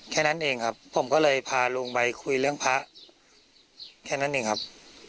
แค่นั้นเองครับผมก็เลยพาลุงไปคุยเรื่องพระแค่นั้นเองครับ